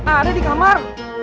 ada di kamar